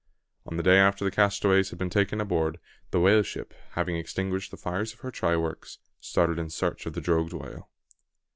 On the day after the castaways had been taken aboard, the whale ship, having extinguished the fires of her try works, started in search of the drogued whale.